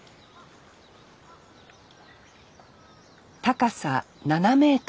高さ７ｍ。